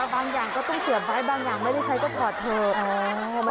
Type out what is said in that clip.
บางอย่างก็ต้องเสียบไว้บางอย่างไม่ได้ใช้ก็ถอดเถอะ